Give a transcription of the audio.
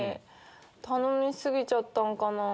頼み過ぎちゃったんかな。